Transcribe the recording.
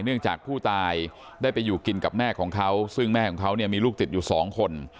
เนื่องจากผู้ตายได้ไปอยู่กินกับแม่ของเขาซึ่งแม่ของเขาเนี่ยมีลูกติดอยู่สองคน